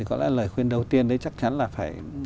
có lẽ lời khuyên đầu tiên đấy chắc chắn là phải